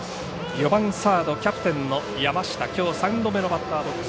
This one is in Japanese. ４番サードキャプテンの山下きょう３度目のバッターボックス。